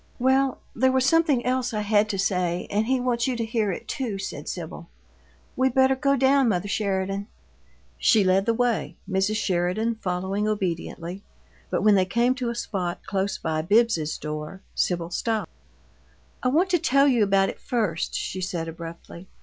"Well, there was something else I had to say, and he wants you to hear it, too," said Sibyl. "We better go down, mother Sheridan." She led the way, Mrs. Sheridan following obediently, but when they came to a spot close by Bibbs's door, Sibyl stopped. "I want to tell you about it first," she said, abruptly.